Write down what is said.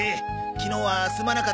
昨日はすまなかった。